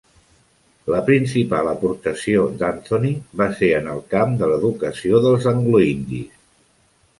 La principal aportació d'Anthony va ser en el camp de l'educació dels angloindis.